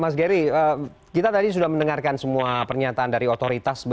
mas gary kita tadi sudah mendengarkan semua pernyataan dari otoritas